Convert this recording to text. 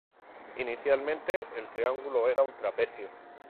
Inicialmente, el triángulo era un trapecio.